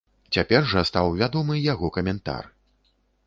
Цяпер жа стаў вядомы яго каментар.